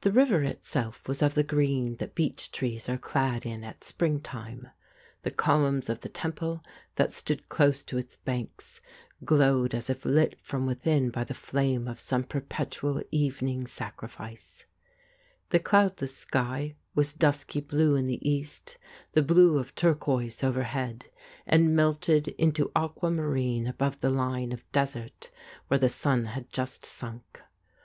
The river itself was of the green that beech trees are clad in at spring time; the columns of the temple that stood close to its banks glowed as if lit from within by the flame of some perpetual evening sacrifice; the cloudless sky was dusky blue in the east, the blue of turquoise overhead, and melted into aqua marine above the line of desert where the sun had just sunk.